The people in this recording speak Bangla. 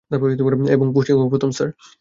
এবং পোস্টিংও প্রথম স্যার।